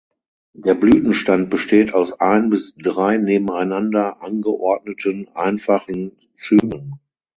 Der Blütenstand besteht aus ein bis drei nebeneinander angeordneten einfachen Cymen.